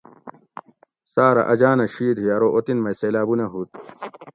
ساۤرہ اجانہ شید ھی ارو اوطن مئ سلیلابونہ ھوت